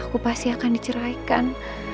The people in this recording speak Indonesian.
aku pasti akan diceraikan